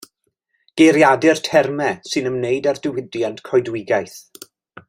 Geiriadur termau sy'n ymwneud a'r diwydiant coedwigaeth.